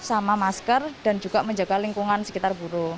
sama masker dan juga menjaga lingkungan sekitar burung